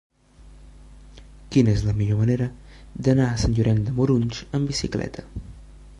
Quina és la millor manera d'anar a Sant Llorenç de Morunys amb bicicleta?